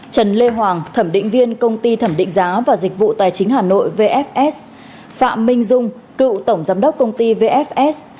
trần lê hoàng thẩm định viên công ty thẩm định giá và dịch vụ tài chính hà nội vfs phạm minh dung cựu tổng giám đốc công ty vfs